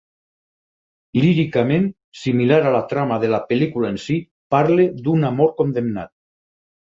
Líricament, similar a la trama de la pel·lícula en si, parla d'un amor condemnat.